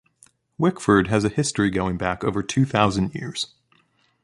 Wickford has a history going back over two thousand years.